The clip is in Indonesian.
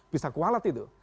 bisa kualat itu